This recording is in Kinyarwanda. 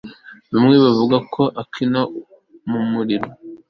Bamwe bavuga ko akina numuriro